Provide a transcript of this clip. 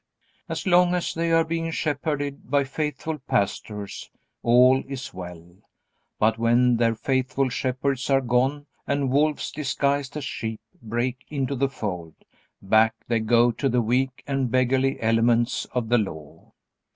As long as they are being shepherded by faithful pastors, all is well. But when their faithful shepherds are gone and wolves disguised as sheep break into the fold, back they go to the weak and beggarly elements of the Law.